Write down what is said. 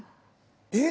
えっ！